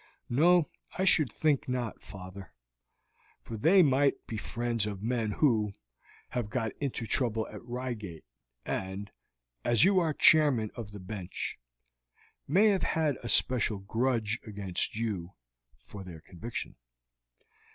"No, I should think not, father; but they might be friends of men who have got into trouble at Reigate, and, as you are chairman of the bench, may have had a special grudge against you for their conviction."